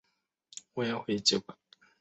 模范邨其后由香港房屋委员会接管。